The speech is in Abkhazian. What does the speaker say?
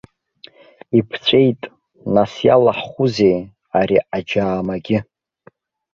Иԥҵәеит, нас иалаҳхузеи ари аџьаамагьы?!